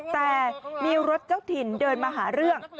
แต่มีรถเจ้าถิ่นเดินมาหาเรื่อง